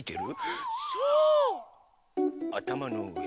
あたまのうえ。